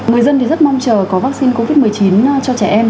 mười dân rất mong chờ có vaccine covid một mươi chín cho trẻ em